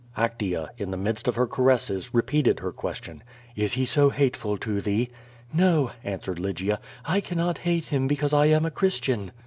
Actea, in the midst of her caresses, repeated her question: "Is he so hateful to thee?" *^o," answered Lygia. "I cannot hate him because I am a Christian."